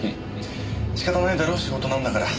仕方ないだろ仕事なんだから。